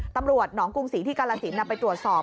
ตำรวจหนองกรุงศรีที่กาลสินไปตรวจสอบ